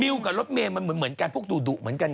กับรถเมย์มันเหมือนกันพวกดุเหมือนกัน